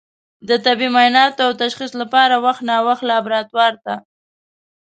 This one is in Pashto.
د طبي معایناتو او تشخیص لپاره وخت نا وخت لابراتوار ته